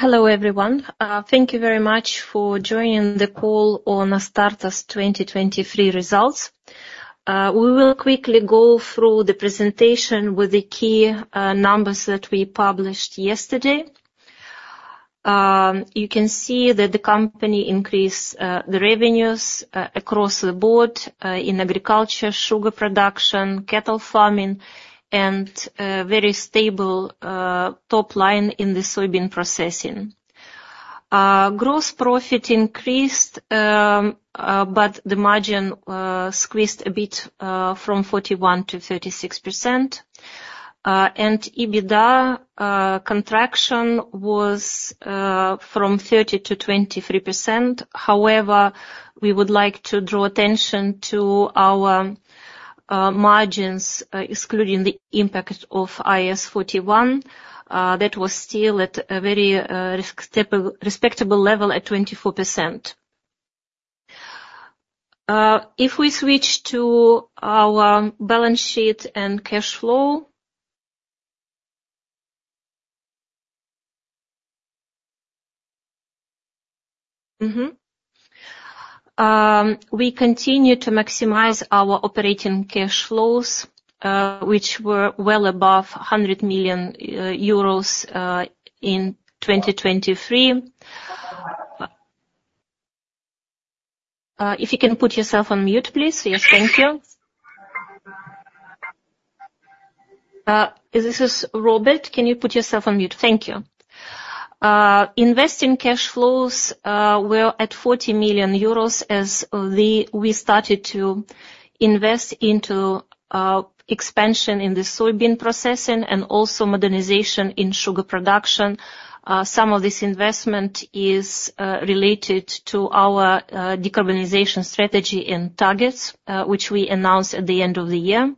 Hello everyone, thank you very much for joining the call on Astarta's 2023 results. We will quickly go through the presentation with the key numbers that we published yesterday. You can see that the company increased the revenues across the board, in agriculture, sugar production, cattle farming, and very stable top line in the soybean processing. Gross profit increased, but the margin squeezed a bit, from 41%-36%. And EBITDA contraction was from 30%-23%. However, we would like to draw attention to our margins, excluding the impact of IAS 41. That was still at a very respectable level at 24%. If we switch to our balance sheet and cash flow - Mm-hmm. We continue to maximize our operating cash flows, which were well above 100 million euros in 2023. If you can put yourself on mute, please. Yes, thank you. This is Robert. Can you put yourself on mute? Thank you. Investing cash flows were at 40 million euros as we started to invest into expansion in the soybean processing and also modernization in sugar production. Some of this investment is related to our decarbonization strategy and targets, which we announced at the end of the year.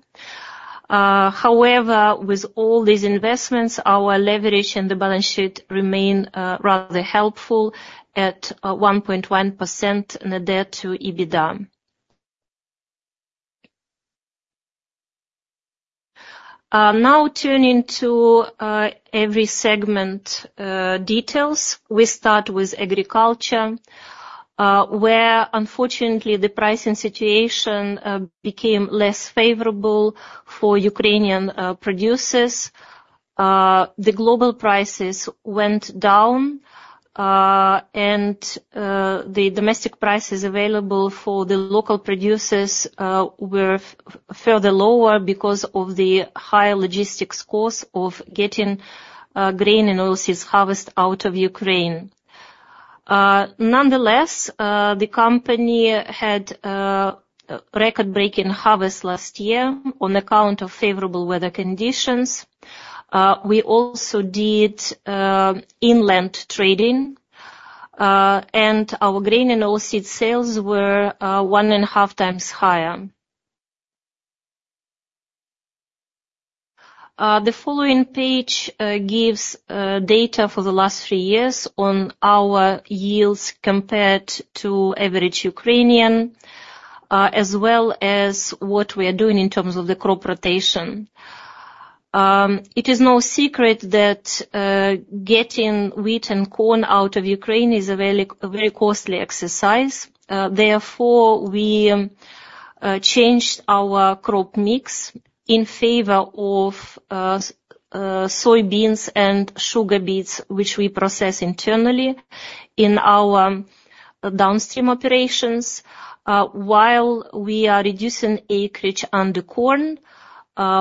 However, with all these investments, our leverage in the balance sheet remained rather helpful at 1.1% net debt to EBITDA. Now turning to every segment details. We start with agriculture, where, unfortunately, the pricing situation became less favorable for Ukrainian producers. The global prices went down, and the domestic prices available for the local producers were further lower because of the high logistics costs of getting grain and oils harvested out of Ukraine. Nonetheless, the company had record-breaking harvests last year on account of favorable weather conditions. We also did inland trading, and our grain and oil seed sales were 1.5x higher. The following page gives data for the last three years on our yields compared to average Ukrainian, as well as what we are doing in terms of the crop rotation. It is no secret that getting wheat and corn out of Ukraine is a very, very costly exercise. Therefore, we changed our crop mix in favor of soybeans and sugar beets, which we process internally in our downstream operations, while we are reducing acreage under corn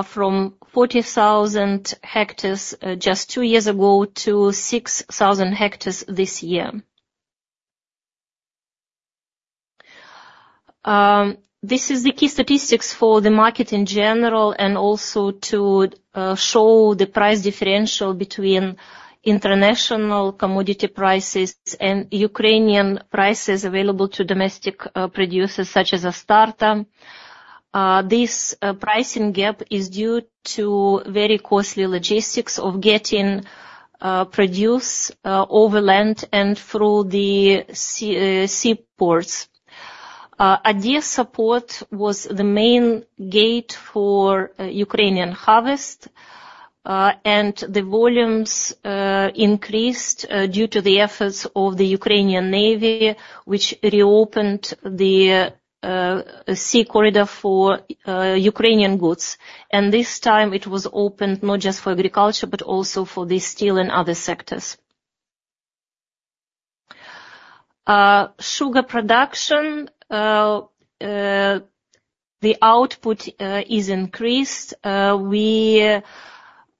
from 40,000 hectares just two years ago to 6,000 hectares this year. This is the key statistics for the market in general and also to show the price differential between international commodity prices and Ukrainian prices available to domestic producers such as Astarta. This pricing gap is due to very costly logistics of getting produce overland and through the sea seaports. Odesa port was the main gate for Ukrainian harvest, and the volumes increased due to the efforts of the Ukrainian Navy, which reopened the sea corridor for Ukrainian goods. And this time it was opened not just for agriculture but also for the steel and other sectors. Sugar production, the output is increased. We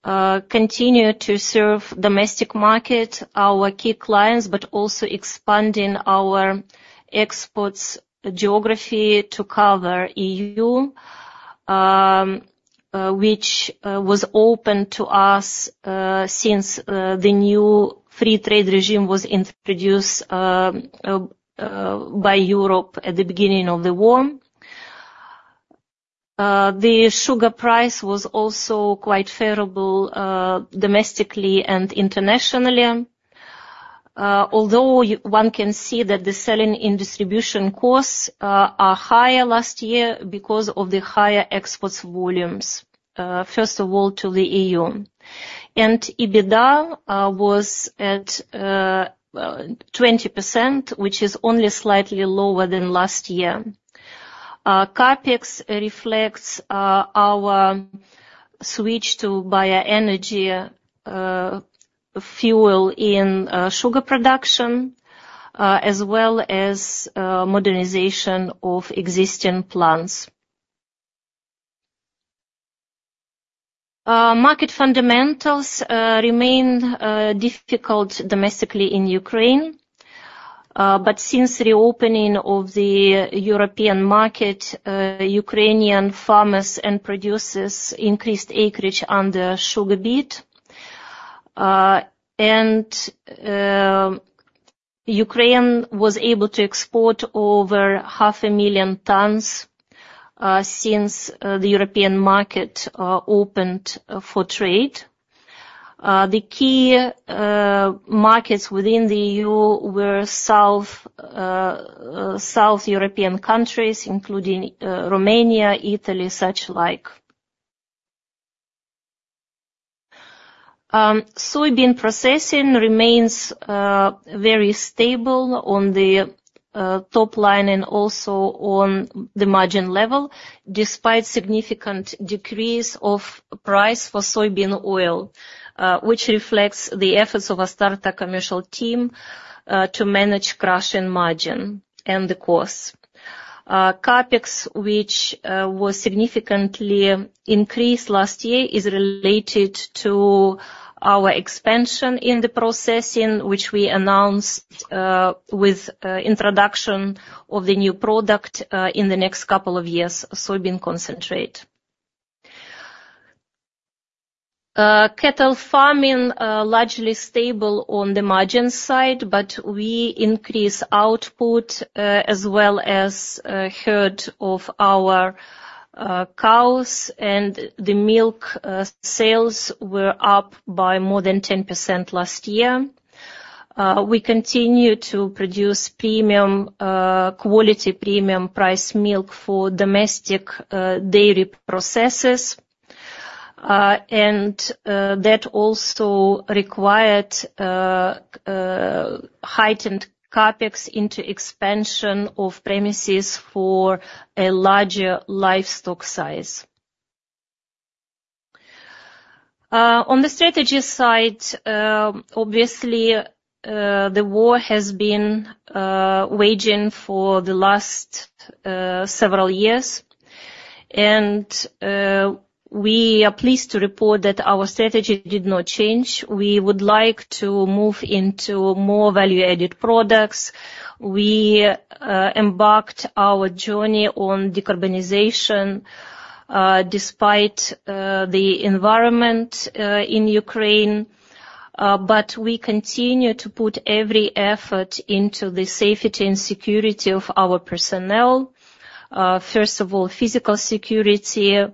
continue to serve domestic market, our key clients, but also expanding our exports geography to cover EU, which was open to us since the new free trade regime was introduced by Europe at the beginning of the war. The sugar price was also quite favorable, domestically and internationally, although one can see that the selling and distribution costs are higher last year because of the higher exports volumes, first of all to the EU. EBITDA was at 20%, which is only slightly lower than last year. CAPEX reflects our switch to bioenergy fuel in sugar production, as well as modernization of existing plants. Market fundamentals remain difficult domestically in Ukraine. But since reopening of the European market, Ukrainian farmers and producers increased acreage under sugar beet. Ukraine was able to export over 500,000 tons since the European market opened for trade. The key markets within the EU were south, South European countries, including Romania, Italy, such like. Soybean processing remains very stable on the top line and also on the margin level despite significant decrease of price for soybean oil, which reflects the efforts of Astarta commercial team to manage crushing margin and the costs. CAPEX, which was significantly increased last year, is related to our expansion in the processing, which we announced, with introduction of the new product, in the next couple of years, soybean concentrate. Cattle farming largely stable on the margin side, but we increased output, as well as herd of our cows, and the milk sales were up by more than 10% last year. We continue to produce premium quality premium-priced milk for domestic dairy processors. And that also required heightened CAPEX into expansion of premises for a larger livestock size. On the strategy side, obviously, the war has been waging for the last several years, and we are pleased to report that our strategy did not change. We would like to move into more value-added products. We embarked on our journey on decarbonization, despite the environment in Ukraine. But we continue to put every effort into the safety and security of our personnel. First of all, physical security.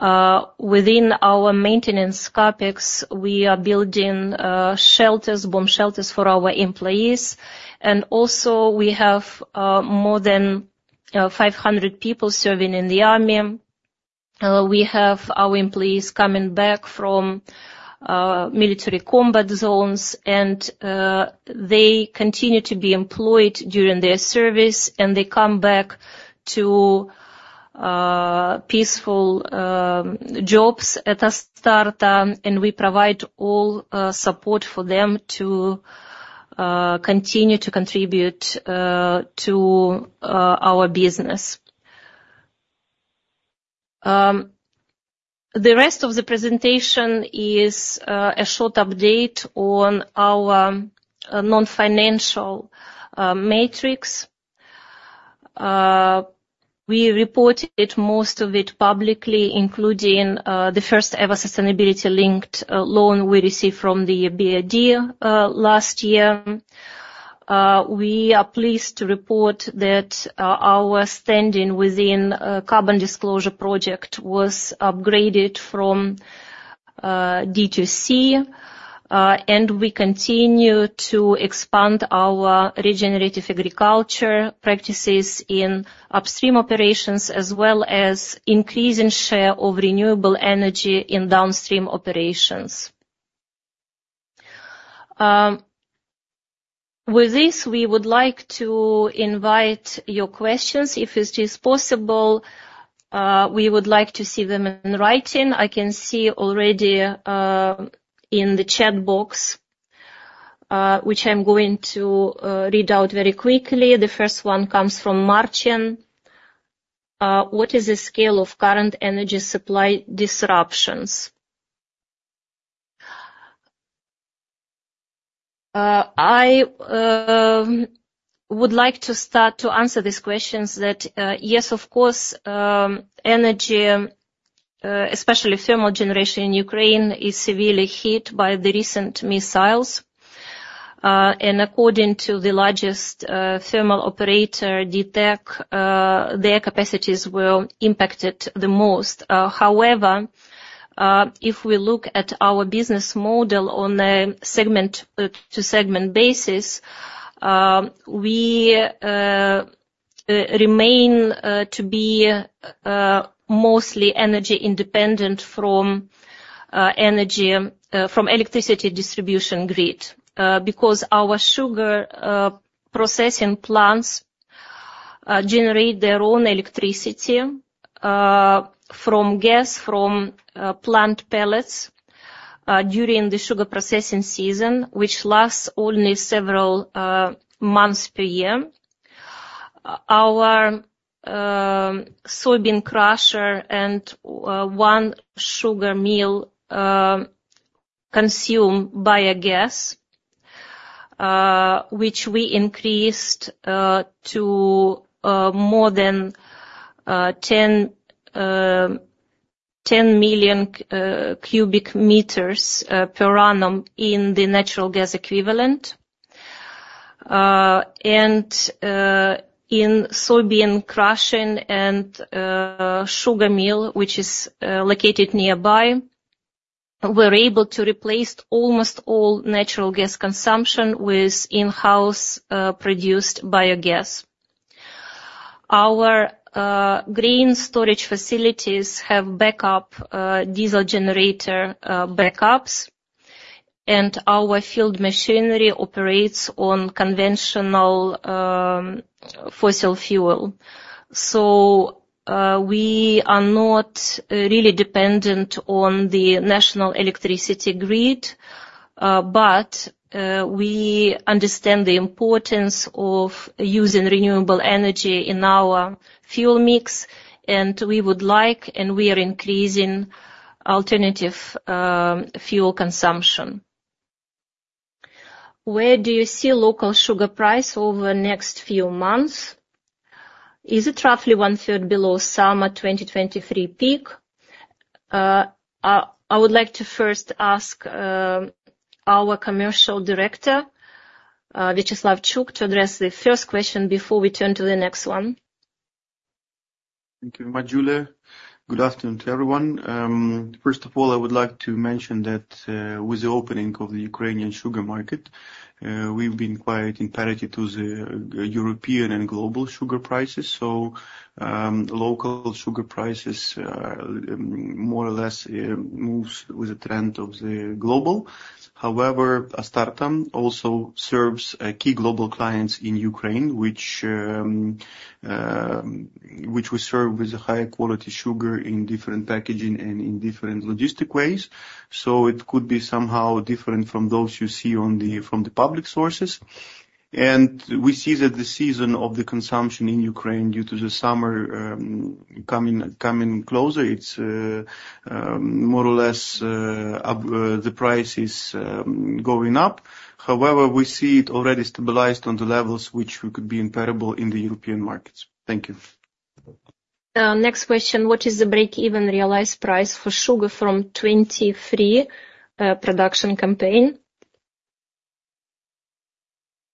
Within our maintenance CAPEX, we are building shelters, bomb shelters for our employees. And also we have more than 500 people serving in the army. We have our employees coming back from military combat zones, and they continue to be employed during their service, and they come back to peaceful jobs at Astarta, and we provide all support for them to continue to contribute to our business. The rest of the presentation is a short update on our non-financial matrix. We reported most of it publicly, including the first-ever sustainability-linked loan we received from the EBRD last year. We are pleased to report that our standing within the Carbon Disclosure Project was upgraded from D to C, and we continue to expand our regenerative agriculture practices in upstream operations as well as increasing share of renewable energy in downstream operations. With this, we would like to invite your questions. If it is possible, we would like to see them in writing. I can see already in the chat box, which I'm going to read out very quickly. The first one comes from Martin. What is the scale of current energy supply disruptions? I would like to start to answer these questions that yes, of course, energy, especially thermal generation in Ukraine is severely hit by the recent missiles. And according to the largest thermal operator, DTEK, their capacities were impacted the most. However, if we look at our business model on a segment-to-segment basis, we remain to be mostly energy independent from energy from electricity distribution grid, because our sugar processing plants generate their own electricity from gas from plant pellets during the sugar processing season, which lasts only several months per year. Our soybean crusher and one sugar mill consumed biogas, which we increased to more than 10 million cubic meters per annum in the natural gas equivalent. And in soybean crushing and sugar mill, which is located nearby, we're able to replace almost all natural gas consumption with in-house-produced biogas. Our grain storage facilities have backup diesel generator backups, and our field machinery operates on conventional fossil fuel. So, we are not really dependent on the national electricity grid, but we understand the importance of using renewable energy in our fuel mix, and we would like, and we are increasing, alternative fuel consumption. Where do you see local sugar price over the next few months? Is it roughly one-third below summer 2023 peak? I would like to first ask our Commercial Director, Viacheslav Chuk, to address the first question before we turn to the next one. Thank you, Yuliya. Good afternoon to everyone. First of all, I would like to mention that, with the opening of the Ukrainian sugar market, we've been quite in parity to the European and global sugar prices. So, local sugar prices, more or less, moves with the trend of the global. However, Astarta also serves key global clients in Ukraine, which we serve with a higher quality sugar in different packaging and in different logistic ways. So it could be somehow different from those you see from the public sources. And we see that the season of the consumption in Ukraine due to the summer coming closer, it's more or less the price is going up. However, we see it already stabilized on the levels which could be comparable in the European markets. Thank you. Next question. What is the break-even realized price for sugar from 2023 production campaign?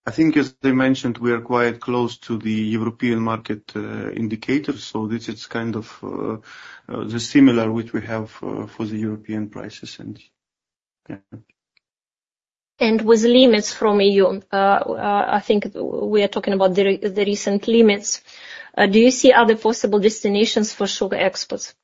I think, as I mentioned, we are quite close to the European market indicator. So this is kind of the similar which we have for the European prices and, yeah. And with limits from EU, I think we are talking about the recent limits. Do you see other possible destinations for sugar exports?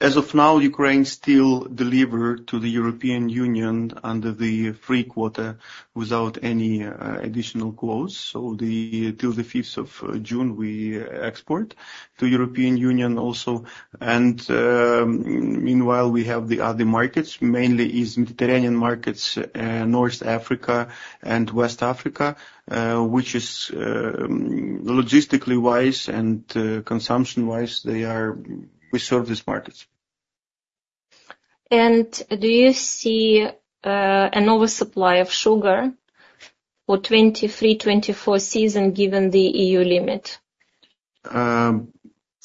As of now, Ukraine still deliver to the European Union under the free quota without any additional quotas. So till the 5th of June, we export to European Union also. And meanwhile, we have the other markets, mainly is Mediterranean markets, North Africa and West Africa, which is logistically wise and consumption-wise, they are we serve these markets. And do you see an oversupply of sugar for 2023/2024 season given the EU limit?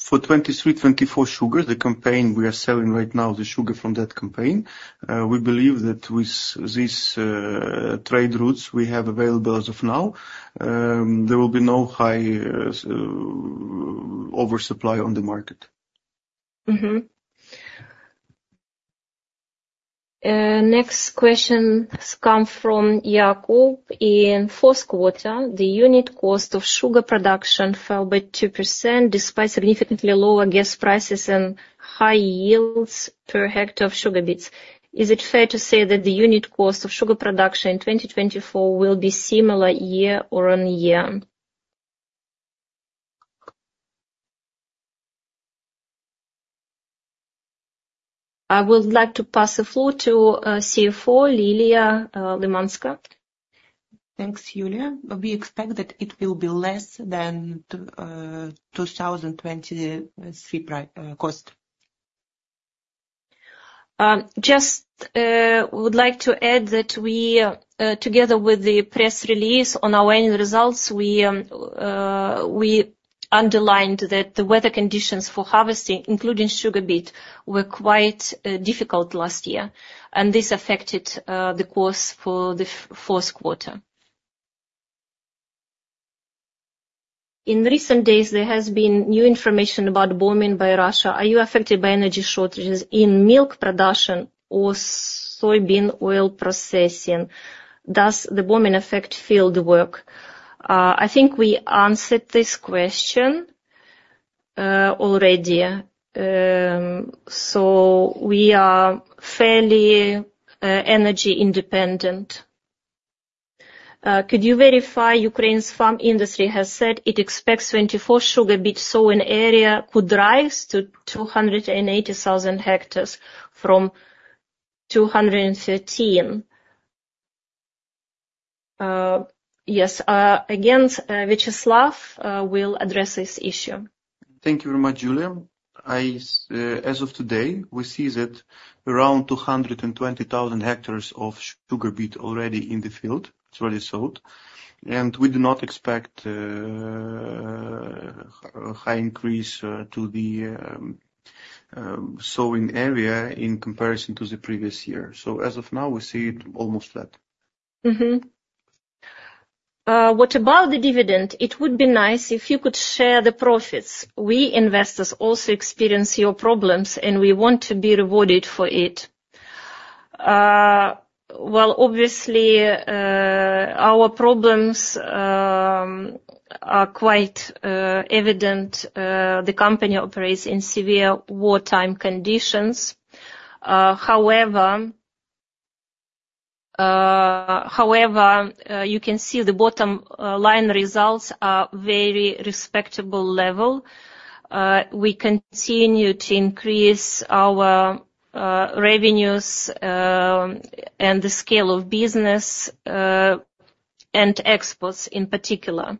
For 2023/2024 sugar, the campaign we are selling right now, the sugar from that campaign, we believe that with this trade routes we have available as of now, there will be no high oversupply on the market. Mm-hmm. Next question comes from Jakub. In fourth quarter, the unit cost of sugar production fell by 2% despite significantly lower gas prices and high yields per hectare of sugar beets. Is it fair to say that the unit cost of sugar production in 2024 will be similar year on year? I would like to pass the floor to CFO Liliia Lymanska. Thanks, Yuliya. We expect that it will be less than 2023 per cost. Just would like to add that we, together with the press release on our annual results, we underlined that the weather conditions for harvesting, including sugar beet, were quite difficult last year, and this affected the cost for the fourth quarter. In recent days, there has been new information about bombing by Russia. Are you affected by energy shortages in milk production or soybean oil processing? Does the bombing affect fieldwork? I think we answered this question already. So we are fairly energy independent. Could you verify Ukraine's farm industry has said it expects 2024 sugar beet sowing area could rise to 280,000 hectares from 213,000? Yes. Again, Viacheslav will address this issue. Thank you very much, Yuliya. I, as of today, we see that around 220,000 hectares of sugar beet already in the field. It's already sold. And we do not expect high increase to the sowing area in comparison to the previous year. So as of now, we see it almost flat. Mm-hmm. What about the dividend? It would be nice if you could share the profits. We, investors, also experience your problems, and we want to be rewarded for it. Well, obviously, our problems are quite evident. The company operates in severe wartime conditions. However, you can see the bottom line results are very respectable level. We continue to increase our revenues and the scale of business, and exports in particular.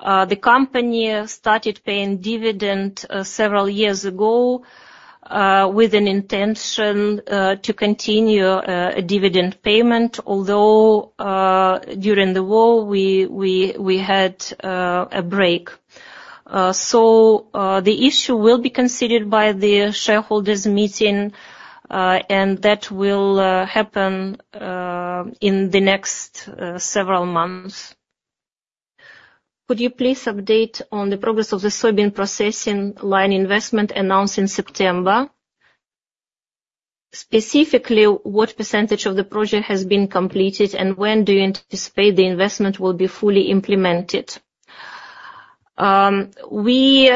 The company started paying dividend several years ago, with an intention to continue dividend payment, although during the war, we had a break. So, the issue will be considered by the shareholders' meeting, and that will happen in the next several months. Could you please update on the progress of the soybean processing line investment announced in September? Specifically, what percentage of the project has been completed, and when do you anticipate the investment will be fully implemented? We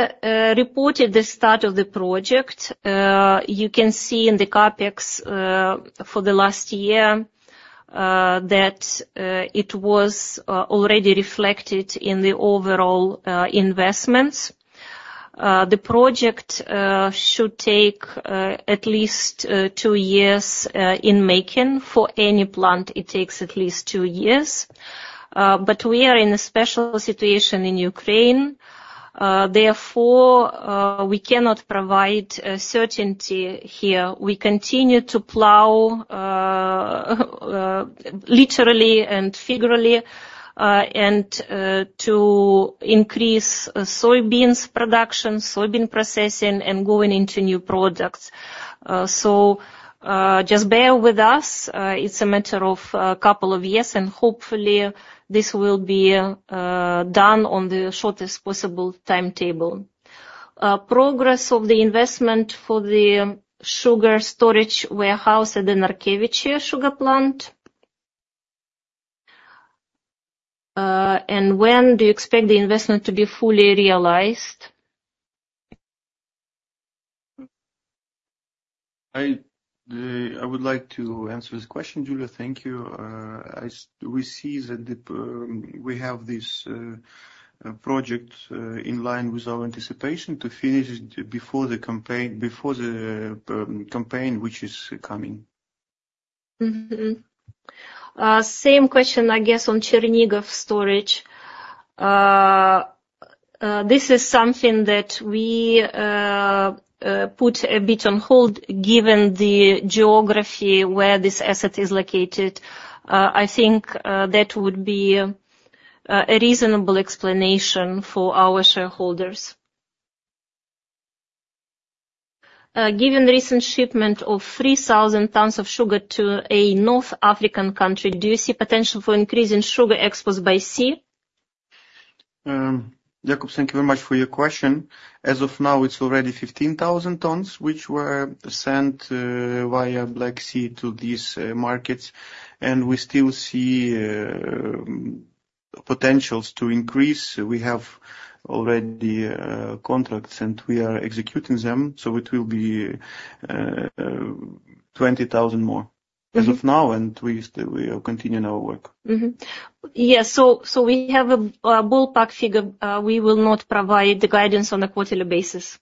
reported the start of the project. You can see in the CapEx for the last year that it was already reflected in the overall investments. The project should take at least two years in making. For any plant, it takes at least two years. But we are in a special situation in Ukraine. Therefore, we cannot provide certainty here. We continue to plow, literally and figuratively, and to increase soybeans production, soybean processing, and going into new products. So, just bear with us. It's a matter of a couple of years, and hopefully, this will be done on the shortest possible timetable. Progress of the investment for the sugar storage warehouse at the Narkevychi sugar plant? And when do you expect the investment to be fully realized? I would like to answer this question, Yuliya. Thank you. As we see, we have this project in line with our anticipation to finish it before the campaign, before the campaign which is coming. Mm-hmm. Same question, I guess, on Chernihiv storage. This is something that we put a bit on hold given the geography where this asset is located. I think that would be a reasonable explanation for our shareholders. Given recent shipment of 3,000 tons of sugar to a North African country, do you see potential for increasing sugar exports by sea? Jakub, thank you very much for your question. As of now, it's already 15,000 tons, which were sent via Black Sea to these markets. And we still see potential to increase. We have already contracts, and we are executing them. So it will be 20,000 more as of now, and we are continuing our work. Mm-hmm. Yes. So we have a ballpark figure. We will not provide the guidance on a quarterly basis.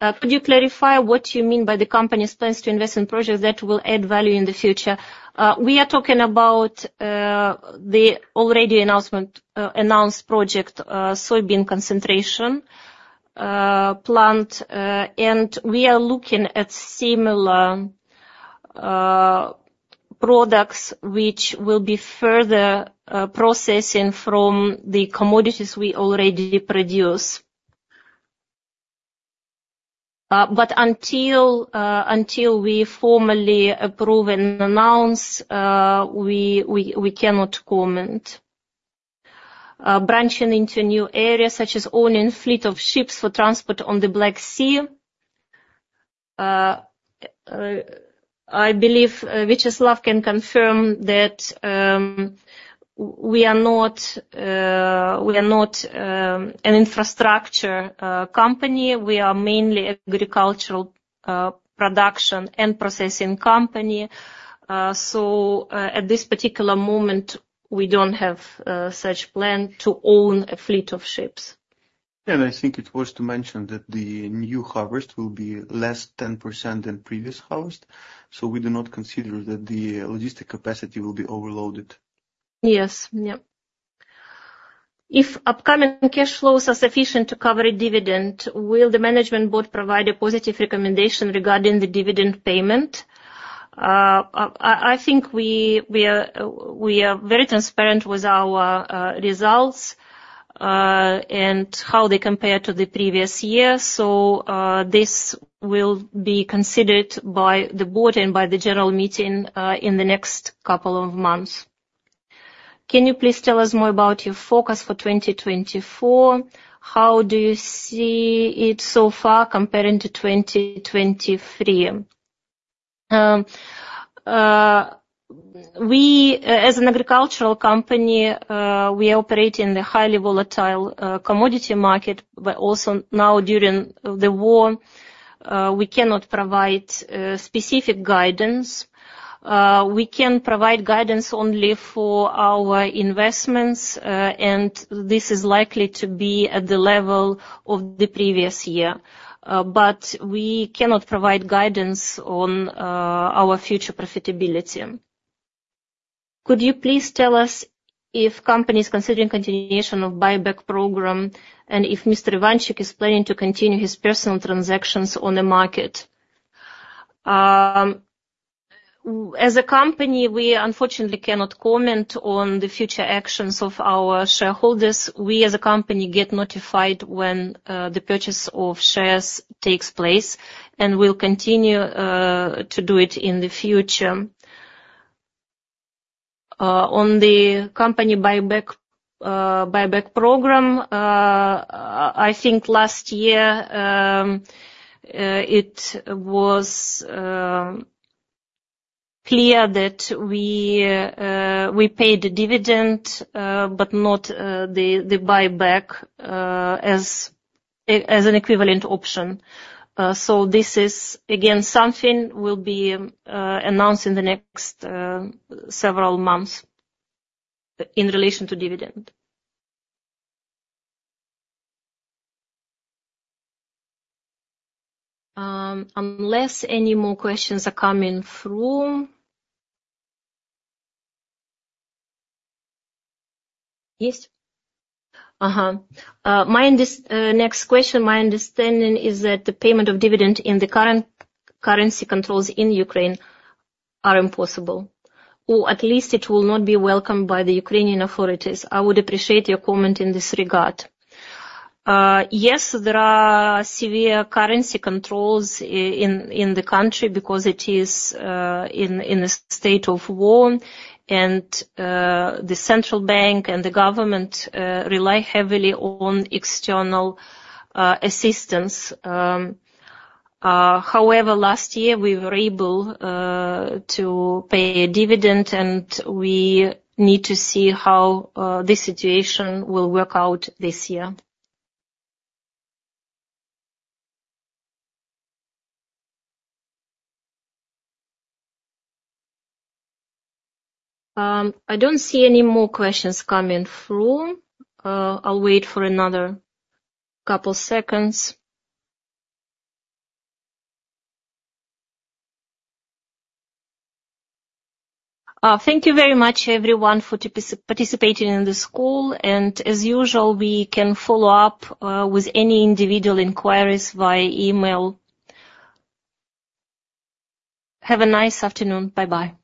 Could you clarify what you mean by the company's plans to invest in projects that will add value in the future? We are talking about the already announced project, soybean concentrate plant, and we are looking at similar products which will be further processing from the commodities we already produce. But until we formally approve and announce, we cannot comment. Branching into new areas such as owning a fleet of ships for transport on the Black Sea. I believe Viacheslav can confirm that we are not an infrastructure company. We are mainly an agricultural production and processing company. So, at this particular moment, we don't have such a plan to own a fleet of ships. And I think it was to mention that the new harvest will be 10% less than previous harvest. So we do not consider that the logistic capacity will be overloaded. Yes. Yep. If upcoming cash flows are sufficient to cover a dividend, will the management board provide a positive recommendation regarding the dividend payment? I think we are very transparent with our results and how they compare to the previous year. So, this will be considered by the board and by the general meeting in the next couple of months. Can you please tell us more about your focus for 2024? How do you see it so far comparing to 2023? We, as an agricultural company, are operating in the highly volatile commodity market, but also now during the war, we cannot provide specific guidance. We can provide guidance only for our investments, and this is likely to be at the level of the previous year. But we cannot provide guidance on our future profitability. Could you please tell us if the company is considering continuation of the buyback program and if Mr. Ivanchyk is planning to continue his personal transactions on the market? As a company, we unfortunately cannot comment on the future actions of our shareholders. We, as a company, get notified when the purchase of shares takes place, and we'll continue to do it in the future. On the company buyback program, I think last year it was clear that we paid a dividend, but not the buyback as an equivalent option. So this is again something that will be announced in the next several months in relation to dividend. Unless any more questions are coming through. Yes. Uh-huh. My next question, my understanding is that the payment of dividend in the current currency controls in Ukraine are impossible, or at least it will not be welcomed by the Ukrainian authorities. I would appreciate your comment in this regard. Yes, there are severe currency controls in the country because it is in a state of war, and the central bank and the government rely heavily on external assistance. However, last year, we were able to pay a dividend, and we need to see how this situation will work out this year. I don't see any more questions coming through. I'll wait for another couple of seconds. Thank you very much, everyone, for participating in this call. And as usual, we can follow up with any individual inquiries via email. Have a nice afternoon. Bye-bye.